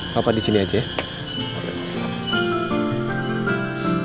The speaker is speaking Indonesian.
bapak disini aja ya